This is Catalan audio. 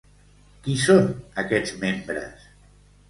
Qui són aquests membres?